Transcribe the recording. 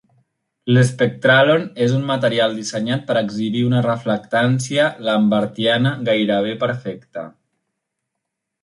L'spectralon és un material dissenyat per exhibir una reflectància lambertiana gairebé perfecta.